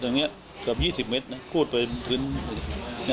อย่างนี้เกือบ๒๐เมตรนะคูดไปพื้น